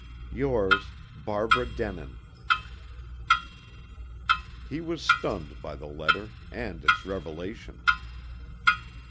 Yours Barbara Denin." He was stunned by the letter, and its revelation.